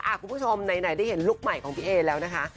คุณผู้ชมไหนได้เห็นลุคใหม่ของพี่เอแล้วนะคะ